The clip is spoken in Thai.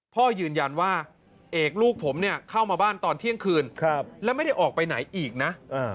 พ่อยืนยันว่าเอกลูกผมเนี่ยเข้ามาบ้านตอนเที่ยงคืนและไม่ได้ออกไปไหนอีกนะ